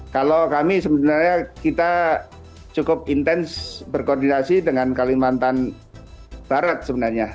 kalau kami sebenarnya kita cukup intens berkoordinasi dengan kalimantan barat sebenarnya